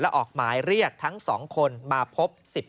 และออกหมายเรียกทั้ง๒คนมาพบ